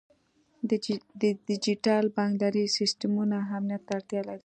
د ډیجیټل بانکدارۍ سیستمونه امنیت ته اړتیا لري.